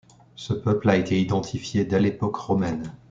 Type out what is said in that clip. Ce peuple a été identifié dès l'époque romaine.